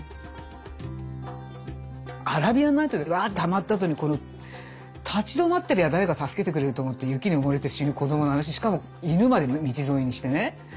「アラビアン・ナイト」にわってハマったあとにこの立ち止まってりゃ誰か助けてくれると思って雪に埋もれて死ぬ子どもの話しかも犬まで道連れにしてね。